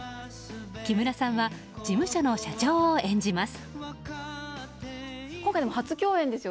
木村さんは事務所の社長を演じます。